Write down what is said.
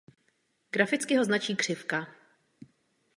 Graficky ho značí křivka.